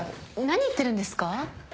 何言ってるんですか？